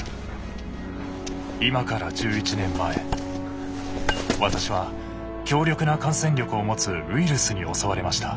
今から１１年前私は強力な感染力を持つウイルスに襲われました。